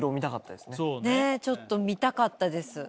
ちょっと見たかったです。